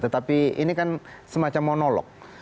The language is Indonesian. tetapi ini kan semacam monolog